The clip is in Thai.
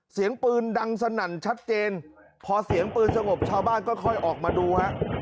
เสียงปืนดังสนั่นชัดเจนพอเสียงปืนสงบชาวบ้านก็ค่อยออกมาดูฮะ